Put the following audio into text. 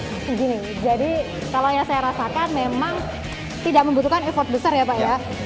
begini jadi kalau yang saya rasakan memang tidak membutuhkan effort besar ya pak ya